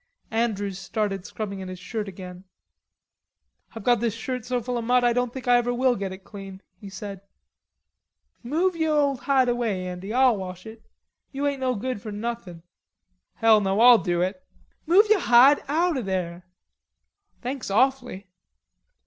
Andrews started scrubbing at his shirt again. "I've got this shirt so full of mud I don't think I ever will get it clean," he said. "Move ye ole hide away, Andy. Ah'll wash it. You ain't no good for nothin'." "Hell no, I'll do it." "Move ye hide out of there." "Thanks awfully."